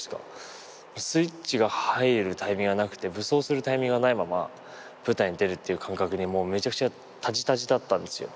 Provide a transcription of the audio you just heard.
スイッチが入るタイミングがなくて武装するタイミングがないまま舞台に出るっていう感覚にもうめちゃくちゃタジタジだったんですよ。